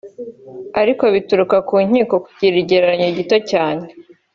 ariko bituruka ku nkiko ku kigereranyo gitoya cyane